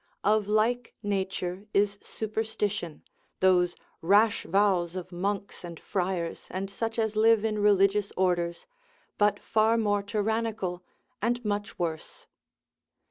Of like nature is superstition, those rash vows of monks and friars, and such as live in religious orders, but far more tyrannical and much worse.